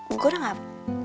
gue udah gak